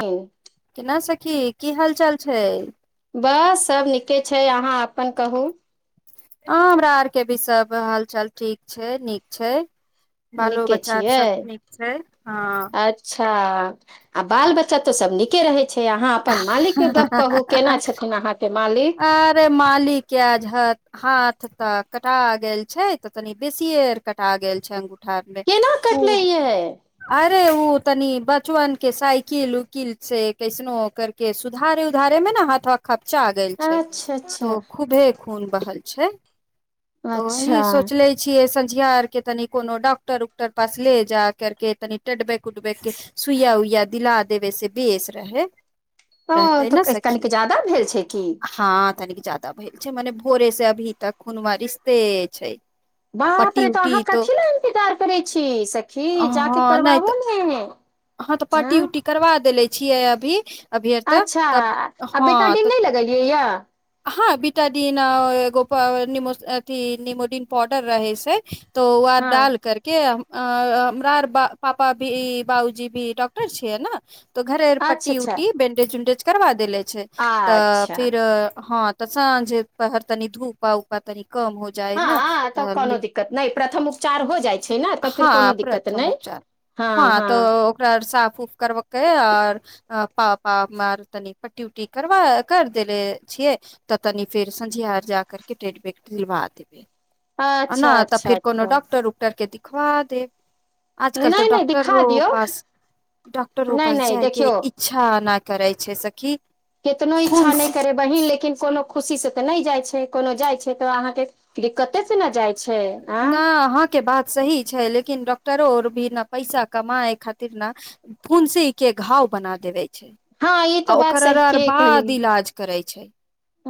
ह्म की की हाल चाल छै बड़ा सब नीके छै अहाँ अपन कहू हँ हमरा आरके भी सब हालचाल ठीक छै नीक छै बालो नीके बच्चा सभ छियै नीक छै हँ आ अच्छा बाल बच्चा बाल बच्चा सब तऽ नीके रहय छै अहाँ अपन मालिक के गप्प कहु केना छथिन अहाँके मालिक अरे मालिक के आज ह हाथ तऽ कटा गेल छै तऽ तनी बेसीए आर कटा गेल छै ठारने केना कटले खूब ये आ ओ तनि बचवन के साइकिल किल से कैसनो करके सुधारे उधारे में ने हाथवा खत थकुच्चा गेल छै अच्छा अच्छा तऽ खूबे खून बहल छै अच्छा तऽही सोचले छियै आर के तनि कोनो डॉक्टर उक्टर पास ले जा कर के तनि टेबेक उडबेक के सुइया उइया दिला देबे से बेस रहय [unintelligible] ज्यादा भेल छै मने भोरे से अभी तक खुनवा रिश्ते छै बाप पट्टी रे तऽ अहाँ उट्टी तो कथी लए इन्तजार करै छी सखी जा के हँ नहि तऽ करवाबू ने हँ तऽ पटी उटी करवा देले छियै अभी अभीर तऽ अच्छा तब आ बेटाडिन नहि लगेलियै यै हँ बीतादिन एगो अथी निमोदिन पौउडर रहय से तो वैह हँ डाल करके अ हमरा पापा भी बाबुजी भी डाक्टर छियै न तऽ घरे अच्छा पटी अच्छा उटी बैंडेज उंडेज करबा देलै छै तऽ अच्छा फिर हँ तस साँझे पहर तनी धूप उपा तनि कम हो जाइ ने तहन चार हो जाइत हँ प्रथम उपचार हँ तऽ ओकरा साफ उफ करके आओर पापा आर तनी पट्टी उट्टी करा कर देले छियै तऽ तनि फेर संझिया आर जा करके ट्रेटभेब दिलवा देबे अच्छा नहि तऽ अच्छा फिर कोनो अच्छा डॉकटर उक्टर के दि खबा देब नहि आजकल तऽ नहि दिखा डॉक्टरो दियौ पास डॉक्टरो नहि पास नहि जाइके देखियौ इच्छा नहि करै छै सखी कतनो खून इच्छा नहि करे बहिन लेकिन कोनो खुशी से ते नहि जाय छै कोनो जाय छै तऽ अहाँ के दिक्कते से ने जाय नहि अहाँके बात सही छै लेकि लेकिन डॉक्टरो आर भी ने पैसा कमाय खातिर ने फूंसी के घाव बना देबे छै हँ ई तो आ बात ओकर आर सहिए बाद कहली इलाज करै छै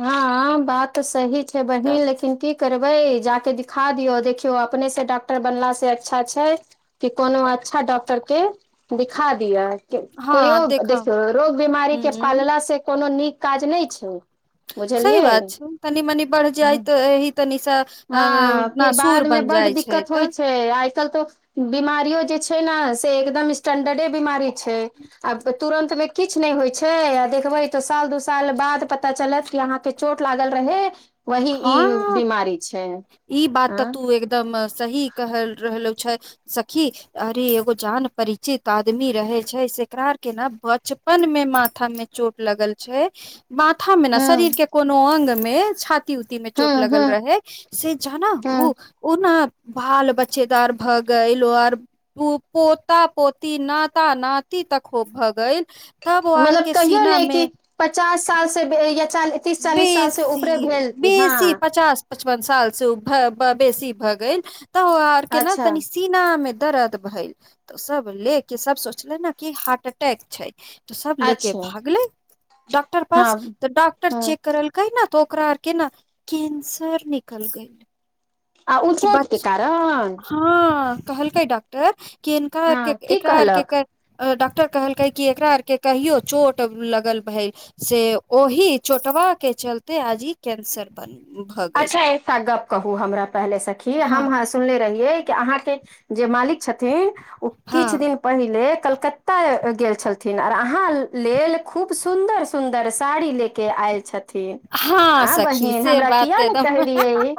हँ बात तऽ सही छै तऽ बहिन लेकिन कि करबे जाक दिखा दियौ देखियौ अपने से डॉक्टर बनला से अच्छा छै कि कोनो अच्छा डॉक्टर के दिखा दिय हँ कोहियो देख ह देखियौ रोग बीमारी के पालला से कोनो नीक काज नहि छै ओ सही बात छै तनि मनि बढ़ि जाय तऽ एहि तनिसँ हँ फिर नासुर बादमे बन बड्ड जाइ छै दिक्कत होइ तऽ आइ काल्हि तऽ बीमारियो जे छै ने से एकदम स्टेंडर्डे बीमारी छै आ तुरन्त मे किछु नहि होइ छै आ देखबै तऽ साल दू साल बाद ता चलत कि अहाँके चोट लागल रहै वही ई हँ बीमारी छै ई बात तऽ आँ तू एकदम सही कहल रहलहु छै सखी अरे एगो जान परिचित आदमी रहै छै सकरार के ने बचपन मे माथा मे चोट लगल छै माथा मे ने शरीर हँ के कोनो अंग मे छात ती उती मे चोट हँ लगल हँ रहै से जान हू हँ उ न बाल बच्चेदार भऽ गइलो आर पोता पोती नाता नाती तखो भऽ गइल मतलब कहियौ ने कि पचास साल से बे ये बेसी हँ बेस पचपन साल से उ भऽ ब बेसी भऽ गेल तऽ ओआर केना अच्छा तनी सीनामे दर्द भेल तऽ सब ले के सब सोचले ने कि हार्ट अटैक छै तऽ सब लेके अच्छा भागलै डॉक्टर हँ पास तऽ डॉ र हँ चेक करलकै न तऽ ओकरा आर के न कैंसर निकल गइलै आ उ चोटके कारण हँ कहलकै डॉकटर कि इनका आरके हँ की एकरा आरके कहलक क डॉक्टर कहलकै कि एकरा आरके कहियो चोट लगल भेल से ओहि चोटवा के चलते आज ई कैंसर बनल अच्छा एकटा गप्प कहू हमरा पहले सखी हम हँ सुनले रहियै अहाँके जे मालिक छथि थिन ओ किछु हँ दिन पहिले कलकत्ता गेल छलथिन आओर अहाँ लेल खूब सुन्दर सुन्दर साड़ी लऽ के आयल छथिन हँ सखी से बात न एकदम कहलियै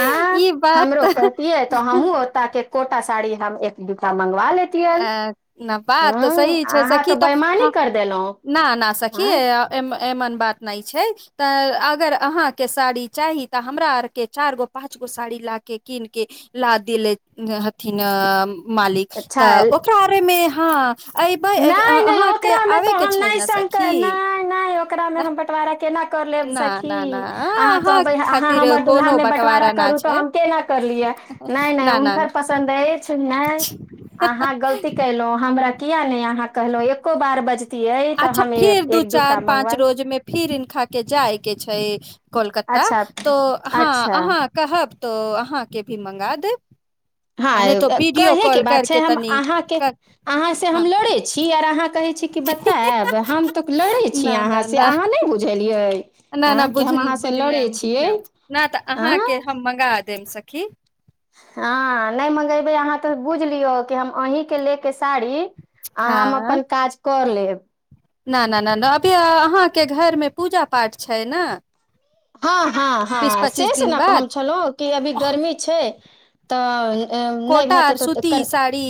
आंय ई बात हमरो तऽ कहतियै तऽ हमहुँ ओतऽ के कोटा साड़ी हम एक दू टा मंग अ बात तऽ सही छै अहाँ सखी तऽ बेईमानी हम कर देलहुँ न न सखी हँ एमे एमन बात नहि छै तऽ अगर अहाँके साड़ी चाही तऽ हमरा आरके चारि गो पाँच गो साड़ी लाके किनके ला देले हथिन मालिक तऽ अच्छा ओकरा आरे मे हँ अयबै नहि नहि अहाँके ओकरामे तऽ आबेके हम छै नहि ने सक सखी नहि नहि ओकरामे हम बँटवारा केना करि लेब ना सखी ना ना ना अहाँ कहबै अहाँ खातिर हमर कोनो दुल्हामे बँटवारा ना करू तऽ छै हम केना कर लियै नहि नहि ना ना ना हुनकर पसन्द अछि नहि अहाँ गलती कयलहुँं अहाँ हमरा किया नहि अहाँ कहलो एको बार बज अच्छा फिर दू चार पाँच रोजमे फिर इ खा के जाय के छै कोलकत्ता अच्छा तो हँ अच्छा अहाँ कहब तो अहाँके भी मंगा देब आ नहि हँ तो वीडियो कहेके कॉल बात छै करके हम तनी अहाँके कर अहाँ से हँ हम लड़े छी आर अहाँ कहै छी कि बतैब हम तऽ लड़े छी अहाँ से अहाँ नै बुझलिये नहि नहि बुझ बुझलेम छियै बुझलेम नहि तऽ आँय अहाँके हम मंगा देब सखि की हँ नहि मंगेबै अहाँ तऽ बुझ लियौ कि हम अहींके लेके साड़ी आ हम हँ अपन काज कर लेब [inaudible] न न न नहि अभी अहाँके घरमे पूजा पाठ छै ने हँ हँ बीस हँ से पच्चीस से दिन ने बाद कह छलहुँ कि अभी अह, गर्मी छै तऽ नहि कोटा हेतै आर तऽ सूती कनि साड़ी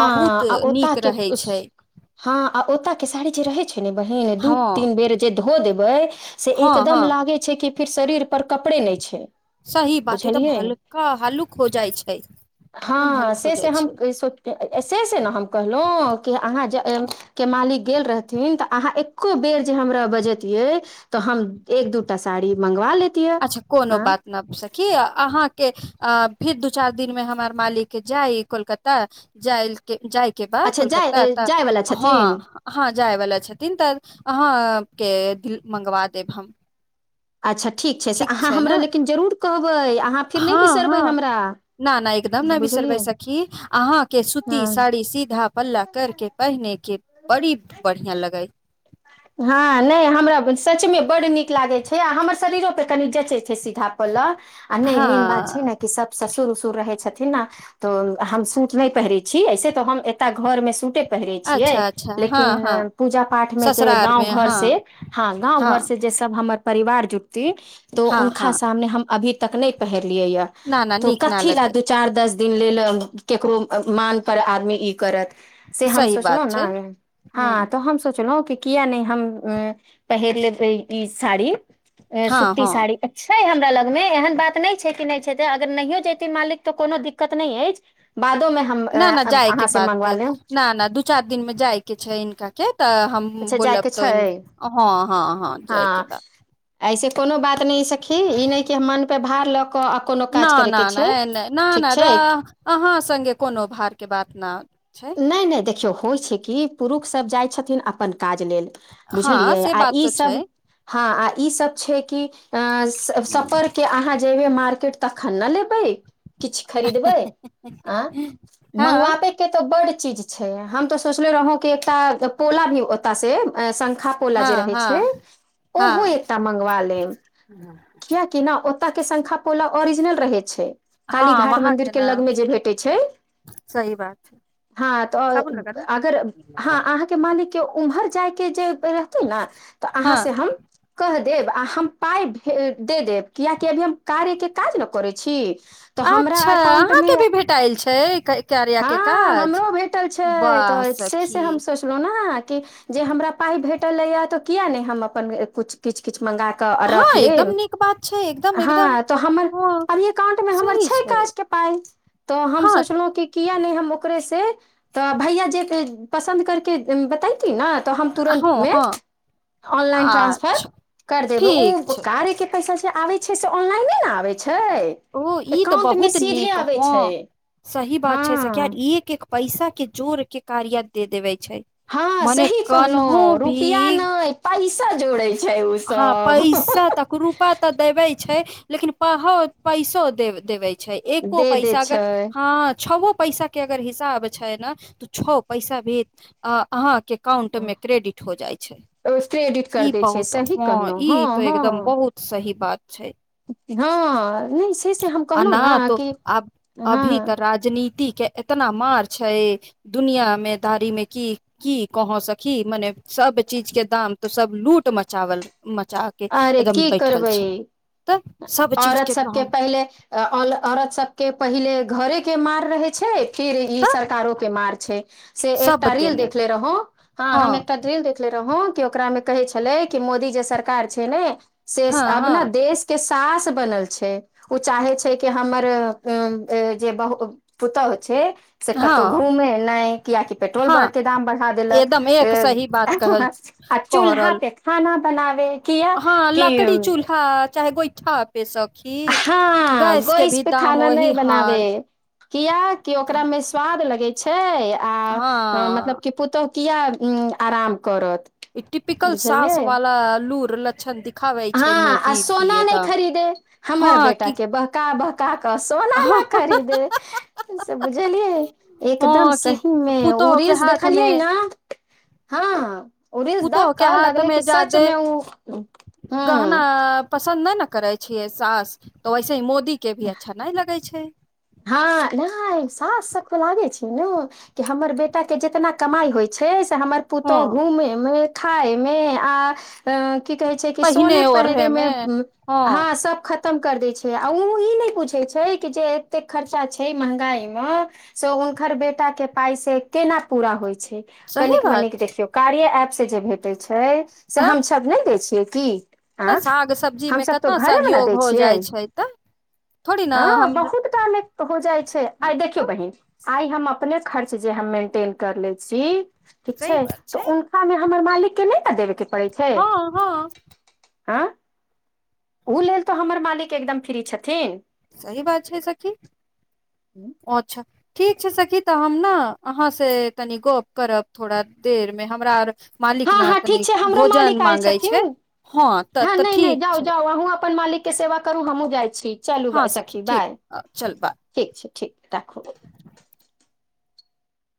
बहुत ओता नीक के रहै छै ह आ ओतऽ साड़ी जे रहे छै ने बहिन दू हँ तीन बेर जे धो देबे से हँ हँ एकदम लागे कि फिर शरीर पर कपड़े नहि छै सही बात एकदम बुझलियै हल्का हल्लुक हो जाइ छै एकदम हँ हल्लुक हो से से जाइ छै से से न हम कहलौ कि अहाँक मालिक गेल रहथिन तऽ अहाँ एको बेर जे हमरा बजेतियै तऽ हम एक दू ता साड़ी मंगवा ले अच्छा कोनो बात ना सखि अहाँके अ फिर दू चार दिन में हमार मालिक जाइ कोलकाता जाइ के जाइके बा अच्छा जाय कोलकत्ता तऽ जायवला हँ छथिन ह जाय वला छथिन तऽ हाँ के दिल मंगवा देब हम अच्छा से ठीक अहाँ छै ने हमरा लेकिन जरूर कहबै अहाँ फिर नहि हँ बिसरबै हँ हमरा ना ना एकदम ने बुझलियै बिसरबै सखी अहाँके सूती हँ साड़ी सीधा पल्ला कर के पहिने के बड़ी बढ़ियां लगै हँ नहि हमरा सचमे बड्ड नीक लागैत छै आ हमर शरीरोपर कनि जँचैत छै सीधा पल्लव आ नहि हँ मेन बात छै ने कि सब ससुर उसुर रहै छथिन ने तऽ हम सूट नहि पहिरै छी ऐसे तऽ हम एतय घरमे सूटे पहिरै छियै अच्छा अच्छा हँ लेकिन हँ पुजा पाठ मे जे ससुरार गाँंव मे घर हँ से हँ गाँंव घर से जे सब हमर परिवार जुट ती हँ उनका हँ सामने हम अभी तक नहि पहेर लियै य न न तो नीक न कथी ल लगै दू चार दस दिन लेल केकरो मान पर आदमी ई करत से हम सही बात सोचलहु छै न ह हँ तऽ हम सोचलहु कि किया नहि हम पहिर लेबै ई साड़ी हँ सुती हँ साड़ी अच्छा छै हमरा लग मे एहन बात नहि छै कि नहि छै अगर नहियो जेतीे मालिक तऽ कोनो दिक्कत नहि अछि बादोमे हम न न जाइ के अहाँसँ बात मङ्गवा लेब न न दू चार दिन मे जाइ के छै हिनका के तऽ हम अच्छा बोलब जायके तो इ छै हँ हँ हँ जयके बा ऐसे कोनो बात नहि सखी ई नहि कि हम मन प्यव भार लग न न नहि नहि न ठीक छै न अहाँ संगे कोनो भारके बात ना छै नहि नहि देखियौ होइ छै कि पुरुष सब जाइ छथिन अपन काज लेले हँ बुझलिए से आ बात तो छै इसब हाँ आ इसब छै की सफर के आहाँ जेब मार्केट तखन न लेबै किछु खरीदबै आ हँ मंगवाबे केत बड चीज छै हम तऽ सोचले रहौ कि एकटा पोला भी ओतय शंखा पोला जे हँ रहै छै हँ ओहो हँ एक मंगवा लेब कियाकि न ओ ओतअ के संंखा पोला ओरिजनल रहे छै काली हँ घाट वहाँ के मन्दिरके ने लगमे जे भेटै छै सही बात छै हँ तऽ साबुन लगा दे अगर हँ अहाँके मान के उम्हर जाइके जे रहते न तऽ अहाँ से हँ हम कह देबै देब आ हम पाय भे दे देब कियाकि अभी हम कार्या के काज न करै छी तऽ हमरा अच्छा एकाउंटमे अहाँके भी भेटायल छै [unintelligible] हँ काज हमरो भेटल छै वाह तऽ से से सखी हम सोचलहुँ न की जे हमरा पाए भेटलय तब हम किये ने कुछ किछ किछ मंगाकऽ हाँ, रख एकदम लेब नीक बात छै, एकदम-एकदम हँ तऽ हमर हाँ, एकाउंट मे हमर छै काज के पाइ तऽ हम हाँ, सोचलहुं कि ओकरे से तऽ भैया जे पसन्द करके बत हम तुरन्त हाँ, मे हाँ, ऑनलाइन ट्रांसफर अच्छा कर देब ठीक ओ छै, कारेके पैसा जे आबै छै से ऑनलाइने नहि आबै छै ओ ई तऽ एकाउंटमे बहुत सीधे नीक आबै हँ छै सही बात छै सखि हँ एक एक पैसा के जोर के कार्या दे देबे हँ सही कहलहुँ रुपिया नहि पैसा जोड़ै छै हँ ओसभ पैसा तक रूपा तऽ देबै छै लेकिन पा हो पैसो दे देबै छै एको दे दै पैसा क छै हँ छबो पैसा के अगर हिसाब छै न त छो पैसा भेज अ ह ह एकाउंट में क्रेडिट हो जाइ छै क्रेडिट कर ई दै छै बहुत सही हँ कहलहुँ ई हँ तो एकदम हँ बहुत सही बात छै हँ नहि से से हम आ कहलहुँ न ने तो कि आब अभी हँ तऽ राजनीति के एतना मार छै दुनिया में धारी में की की कह सखी मने सब चीज के दाम तो सब लूट मे चावल अरे की करबै तऽ सब चीज औरत के सबके दाम पहिलेऔ औरत सबके पहिले घरे के मार रहै छै फिर ई तऽ सरकारों के मार छै से सब एकटा रिल देने देखले रहौं ह हँ हम एकटा र्रीिल देखले रहौ ओकरा मे कहै छलै कि मोदी जे सरकार सरकार छै ने से हँ अब न हँ देश के तास बनल छै ओ चाहे छै कि हमर जे बहु पुतहु छै से कतहु हँ घूमे नहि कआकि पेट्रोल बर हँ के दाम बढ़ा एकदम एक देलक सही बात कहल आ कह चूल्हा रहल पे खाना बनाबे हँ लकड़ी चूल्हा चाहे गोइठा पे सखी हँ गैस के गोस भी पे दाम खाना नहि वही बनाबे हाल किया कि ओकरा मे स्वाद लगे छै आ हँ मतलब कि पुतहु किया आराम करत ई टिपिकल सास बुझलियै वाला आ लूड़ि लछन दि हँ आ सोना नहि खरीदे हमर हँ बेटा कि के बहका बह कऽ सोना न खरीदे से बुझलियै एकदम हँ कि सही मे ओ पुतोह के रील्स हाथ मे देखलियै ने हँ उ रील्स पुतोह देख के कऽ हाथ लगलै मे कि सच जादे मे उ गहना पस पसन्द नहि ने करै छियै सास तऽ वैसे मो दी के भी अच्छा नहि लगे छै [unintelligible] हँ नहि सास सभके लागे छै ने कि हमर बेटा के जितना कमाई होइ छै हमर हँ पुतहु घुमेमे खायमे आ कि कहय छै कि पहिने सोने ओढ़े पहिरय में मे हँ ह सब खत्म कर दै छै आ उ ई नहि बुझै छै कि जे एते खर्चा छै महंगाई मे से हुनकर बेटा के पाय से केना पूरा होय छै सही कनिक मनिक बात देखियौ कार्य एप से जे भेटय छै छै से तऽ हम सब नहि दै छियै खेती तऽ साग सब्जीमे कतना ने दै सहयोग हो छियै जाइ छै तऽ थोड़ी ने हम तऽ हो जाइ छै आइ देखियौ तऽ बहिन आइ हम अपने खर्च जे हम मेंटेन कर ले छी ठीक सही छै बात तऽ उनका मे हमर मालिक के नहि न देबे के पड़ै छै हँ हँ हँ ओ लेल तऽ हमर मालिक एकदम फ्री छथिन सही बात छै सखि [unintelligible] अच्छा ठीक छै सखी तऽ हम ने अहाँ से तनि गप करब थोड़ा देर मे हमरा आर मालिक हँ ना हँ तनि ठीक छै हमरो भोजन मालिक आयल मांगै छै छथिन हँ तऽ तऽ ठीक छै के सेवा करू हमहुँ जाइ छी चलू हँ सखी ठीक बाय चल बाय ठीक छै ठीक राखू